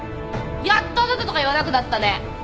やっと「あなた」とか言わなくなったね。